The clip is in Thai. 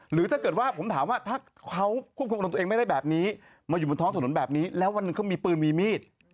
หรือถ้าเกิดว่าผมถามว่าถ้าเขาควบคุมอารมณ์ตัวเองไม่ได้แบบนี้มาอยู่บนท้องถนนแบบนี้แล้ววันหนึ่งเขามีปืนมีมีด